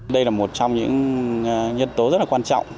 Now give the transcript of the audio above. đây là một trong những nhân tố rất là quan trọng